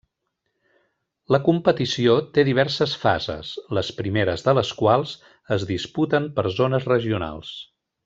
La competició té diverses fases, les primeres de les quals es disputen per zones regionals.